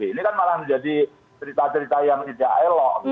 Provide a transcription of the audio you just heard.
ini kan malah menjadi cerita cerita yang incael loh